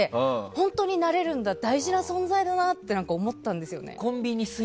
本当になれるんだ大事な存在だなって思ったんですよね。